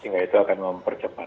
sehingga itu akan mempercepat